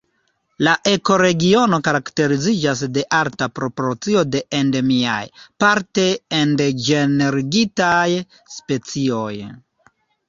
La ekoregiono karakteriziĝas de alta proporcio de endemiaj, parte endanĝerigitaj specioj.